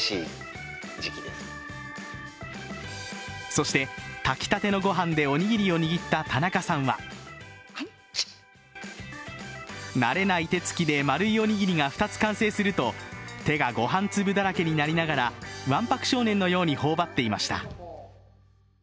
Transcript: そして、炊きたてのご飯でおにぎりを握った田中さんは慣れない手つきで、丸いおにぎりが２つ完成すると手がご飯粒だらけになりながらわんぱく少年のように頬張っていました。